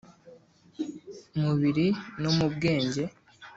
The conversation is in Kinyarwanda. mubiri no mu bwenge